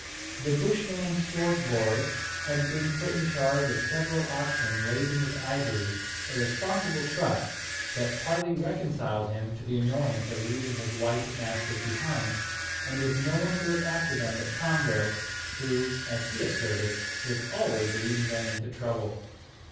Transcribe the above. The Bushman Swartboy had been put in charge of several oxen laden with ivory, a responsible trust, that partly reconciled him to the annoyance of leaving his white masters behind, and with no one to look after them but Congo, who, as he asserted, was always leading them into trouble.